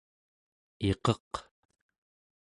iqeq